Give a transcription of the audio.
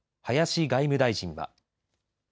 林外務大臣は。